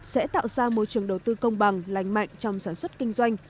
sẽ tạo ra môi trường đầu tư công bằng lành mạnh trong sản xuất kinh doanh